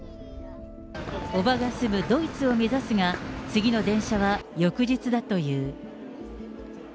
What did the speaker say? おばが住むドイツを目指すが、次の電車は翌日だという。